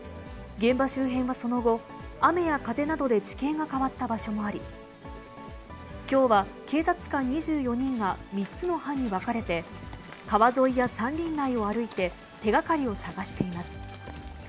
現場周辺はその後、雨や風などで地形が変わった場所もあり、きょうは警察官２４人が３つの班に分かれて、川沿いや山林内を歩いて、手がかりを探しています。